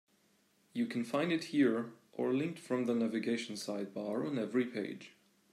You can find it here, or linked from the navigation sidebar on every page.